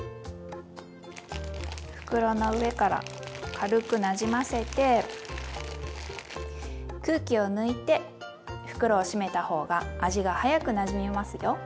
袋の上から軽くなじませて空気を抜いて袋を閉めた方が味が早くなじみますよ。